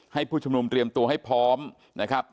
ผู้ชุมนุมเตรียมตัวให้พร้อมนะครับ